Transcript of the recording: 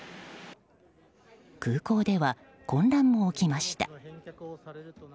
空港では混乱も起きました。